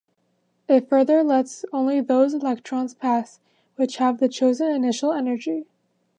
It further lets only those electrons pass which have the chosen initial energy.